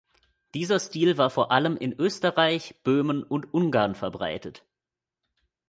Dieser Stil war vor allem in Österreich, Böhmen und Ungarn verbreitet.